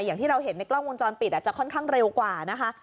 อย่างที่เราเห็นในกล้องวงจรปิดอาจจะค่อนข้างเร็วกว่านะคะ